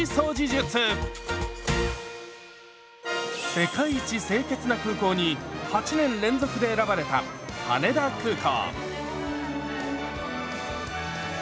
「世界一清潔な空港」に８年連続で選ばれた羽田空港。